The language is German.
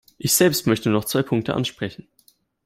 Ich selbst möchte noch zwei Punkte ansprechen.